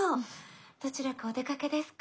どちらかお出かけですか？